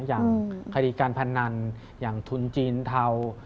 อย่างคดีการพนันอย่างทุนจีนเทา